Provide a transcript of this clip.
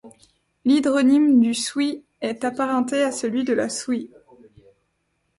L'hydronyme du Souy est apparenté à celui de la Souye.